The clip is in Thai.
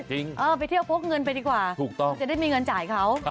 ไปเที่ยวพกเงินไปดีกว่าถูกต้องจะได้มีเงินจ่ายเขา